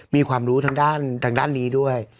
มีความรู้ทางด้านนี้ด้วย